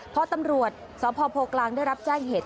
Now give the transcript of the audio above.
พอตำรวจสพโพกลางได้รับแจ้งเหตุ